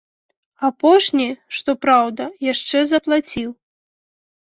Апошні, што праўда, яшчэ заплаціў.